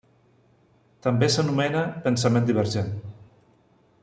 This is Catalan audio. També s'anomena pensament divergent.